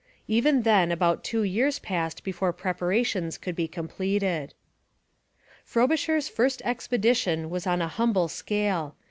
Even then about two years passed before the preparations could be completed. Frobisher's first expedition was on a humble scale.